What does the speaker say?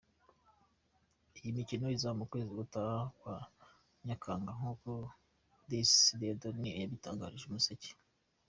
Iyi mikino izaba mu kwezi gutaha kwa Nyakanga nk’uko Disi Dieudoné yabitangarije Umuseke.